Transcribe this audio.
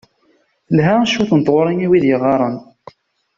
Telha cwiṭ n tɣuri i wid yeɣɣaren.